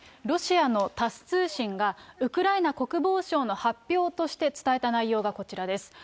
ロシアのタス通信が、ウクライナ国防省の発表として伝えた内容がこちらです。